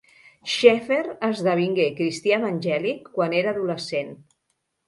Schaeffer esdevingué cristià evangèlic quan era adolescent.